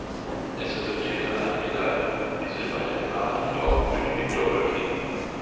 Es resultierte eine Medaille, die Silberne im Marathonlauf durch Viktor Röthlin.